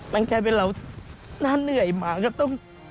ดังนั้นเราน่าเหนื่อยหมาก็ต้อง